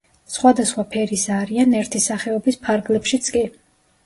სხვადასხვა ფერისა არიან ერთი სახეობის ფარგლებშიც კი.